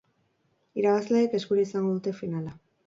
Irabazleek eskura izango dute finala.